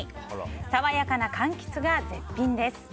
爽やかなかんきつが絶品です。